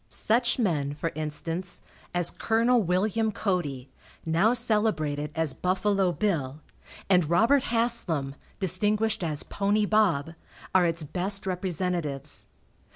Such men, for instance, as Col. Wm. Cody, now celebrated as "Buffalo Bill," and Robert Haslam, distinguished as "Pony Bob," are its best representatives.